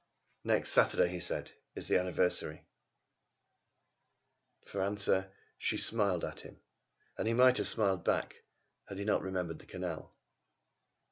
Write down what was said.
"Next Saturday," he said, "is the anniversary!" For answer she smiled at him, and he might have smiled back if he had not remembered the canal.